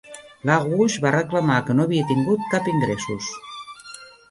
LaRouche va reclamar que no havia tingut cap ingressos.